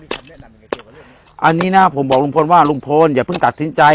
เรียกขนว่าอันนี้นะผมบอกลุกพลว่าลุกพลอย่าเพิ่งกดสินใจ